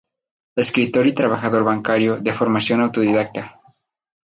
Escritor y trabajador bancario de formación autodidacta.